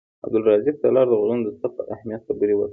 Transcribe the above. عبدالرزاق سالار د غږونو د ثبت پر اهمیت خبرې وکړې.